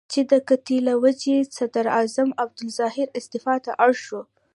چې د قحطۍ له وجې صدراعظم عبدالظاهر استعفا ته اړ شو.